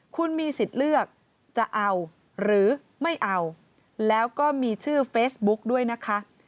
คุณมีสิทธิ์เลือกจะเอาหรือไม่เอาแล้วก็มีชื่อเฟซบุ๊กด้วยนะคะ